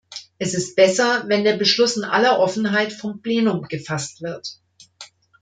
Es ist besser, wenn der Beschluss in aller Offenheit vom Plenum gefasst wird.